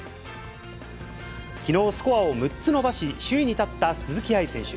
きのう、スコアを６つ伸ばし、首位に立った鈴木愛選手。